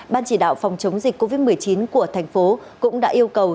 ban chỉ đạo phòng chống dịch covid một mươi chín của thành phố cũng đã yêu cầu